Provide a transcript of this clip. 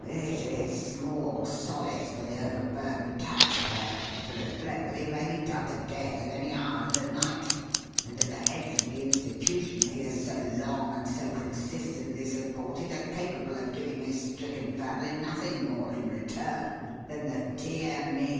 It is small solace for the overburdened taxpayer to reflect that he may be done to death at any hour of the night, and that the heads of the institution he has so long and so consistently supported are capable of giving his stricken family nothing more in return than the "Dear me!